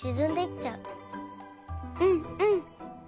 うんうん。